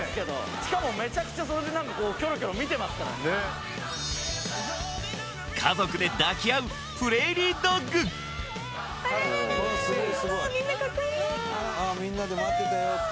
しかもめちゃくちゃそれで何かこうキョロキョロ見てますから・ねっ・あらららすごいすごいあっみんなで待ってたよって・